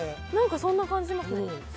そんな感じしますね。